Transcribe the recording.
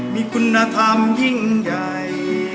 มีคุณธรรมยิ่งใหญ่